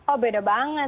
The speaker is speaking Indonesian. oh beda banget